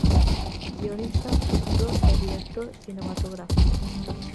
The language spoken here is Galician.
Guionista, produtor e director cinematográfico.